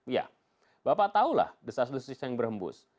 ya bapak tahulah desa sedulis yang berhembus